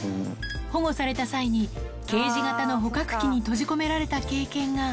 保護された際に、ケージ型の捕獲機に閉じ込められた経験が。